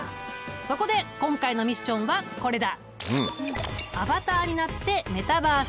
そこで今回のミッションはこれだ！